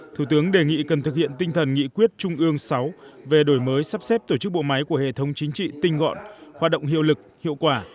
thủ tướng đề nghị cần thực hiện tinh thần nghị quyết trung ương sáu về đổi mới sắp xếp tổ chức bộ máy của hệ thống chính trị tinh gọn hoạt động hiệu lực hiệu quả